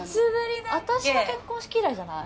私の結婚式以来じゃない？